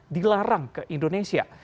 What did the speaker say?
dilarang ke indonesia